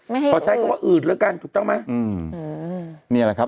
ไม่ปอบแท้เพราะอืดแล้วกันถูกต้องไหมอืมนี่น่ะครับ